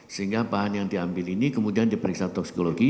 sehingga bahan yang diambil ini kemudian diperiksa toksikologi